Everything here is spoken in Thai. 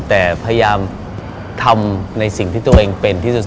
แต่พยายามทำในสิ่งที่ตัวเองเป็นที่สุด